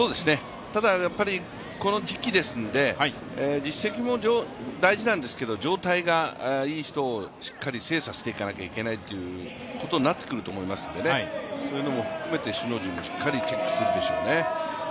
ただやっぱりこの時期ですので実績も大事なんですけど状態がいい人をしっかり精査していかなきゃいけないことになってくると思いますのでそういうのも含めて首脳陣もしっかりチェックするでしょうね。